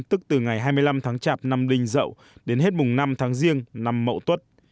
tức từ ngày hai mươi năm tháng chạp năm đinh dậu đến hết mùng năm tháng riêng năm mậu tuất